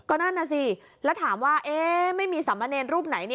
ก็นั่นน่ะสิแล้วถามว่าไม่มีสามเณรรูปไหน